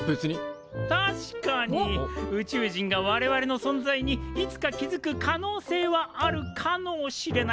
確かに宇宙人が我々の存在にいつか気付く可能性はあるかのうしれない。